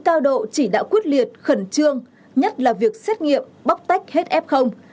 cao độ chỉ đạo quyết liệt khẩn trương nhất là việc xét nghiệm bóc tách hết ép không